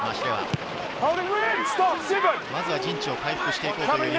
まずは陣地を回復していきたい。